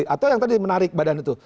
atau yang tadi menarik badan itu